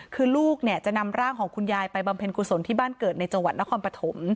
คือลูกเนี่ยจะนำร่างของคุณยายไปบำเพ็ญกุศลที่บ้านเกิดในจังหวัดนครปฐม